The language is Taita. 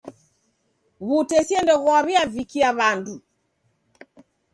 W'utesia ndoghwaw'iavikia w'andu.